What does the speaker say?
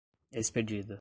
expedida